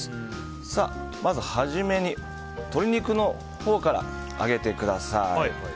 まず初めに鶏肉のほうから揚げてください。